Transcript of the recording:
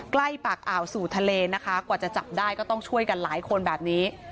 ปากอ่าวสู่ทะเลนะคะกว่าจะจับได้ก็ต้องช่วยกันหลายคนแบบนี้